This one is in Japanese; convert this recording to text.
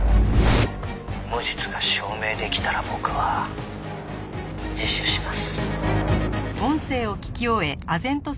「無実が証明できたら僕は自首します」